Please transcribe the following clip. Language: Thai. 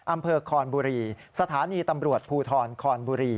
อำเภอคอนบุรีสถานีตำรวจภูทรคอนบุรี